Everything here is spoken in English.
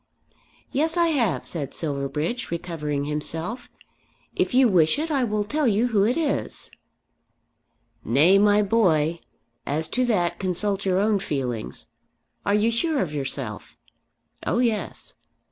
"Yes I have," said Silverbridge, recovering himself. "If you wish it, I will tell you who it is." "Nay, my boy; as to that consult your own feelings. Are you sure of yourself?" "Oh yes."